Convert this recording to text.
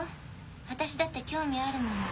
私だって興味あるもの。